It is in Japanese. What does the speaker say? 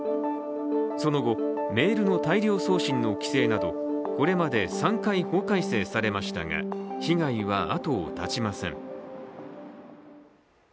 その後、メールの大量送信の規制などこれまで３回法改正されましたが、被害は後を絶ちません。